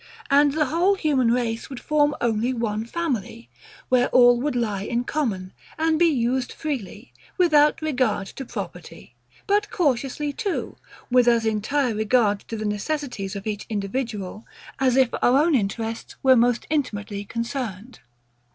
And the whole human race would form only one family; where all would lie in common, and be used freely, without regard to property; but cautiously too, with as entire regard to the necessities of each individual, as if our own interests were most intimately concerned.